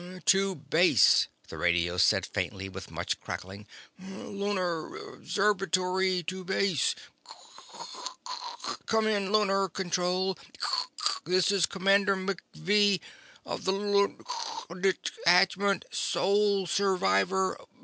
"... to base," the radio said faintly, with much crackling. "Lunar Observatory to base. Come in, Lunar Control. This is Commander McVee of the Lunar Detachment, sole survivor